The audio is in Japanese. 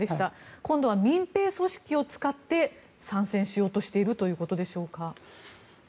今度は民兵組織を使って参戦しようとしているということでしょうか。